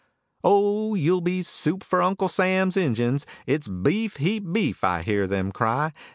Oh, you'll be soup for Uncle Sam's Injuns; "It's beef, heap beef," I hear them cry.